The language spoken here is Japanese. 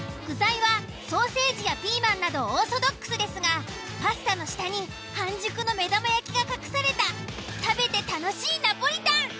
具材はソーセージやピーマンなどオーソドックスですがパスタの下に半熟の目玉焼きが隠された食べて楽しいナポリタン。